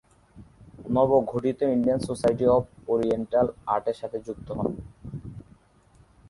নবগঠিত Indian society of oriental আর্টের সাথে যুক্ত হন।